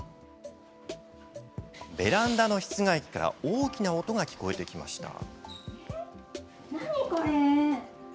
ベランダの室外機から大きな音が聞こえてきました。